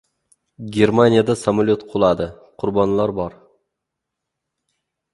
Germaniyada samolyot quladi. Qurbonlar bor